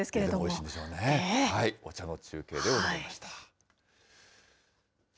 お茶の中継でございました。